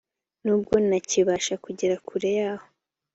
nubwo ntakibasha kugera kure yaho